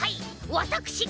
わたくしが。